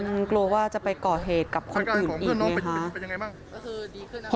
อืมกลัวว่าจะไปก่อเหตุกับคนอื่นเองนะครับ